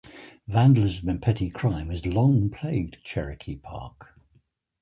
Vandalism and petty crime has long plagued Cherokee Park.